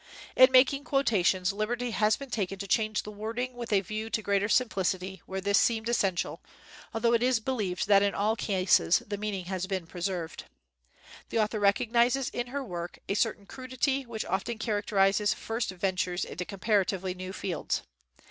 In making quotations lib erty has been taken to change the wording with a view to greater simplicity, where this seemed essential, although it is believed that in all cases the meaning has been pre served. The author recognizes in her work a cer tain crudity which often characterizes first ventures into comparatively new fields.